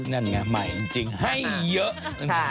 นั่นไงใหม่จริงให้เยอะ